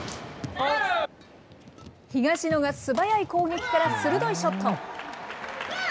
東野が素早い攻撃から鋭いショット。